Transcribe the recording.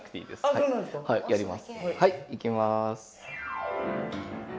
はいいきます。